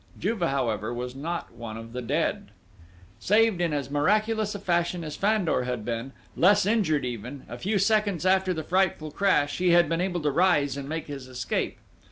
Juve, however, was not one of the dead! Saved in as miraculous a fashion as Fandor had been, less injured even, a few seconds after the frightful crash, he had been able to rise and make his escape.